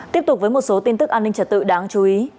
tiếp tục với một số tin tức an ninh trật tự đáng chú ý